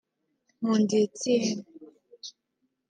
Nkundiye Etienne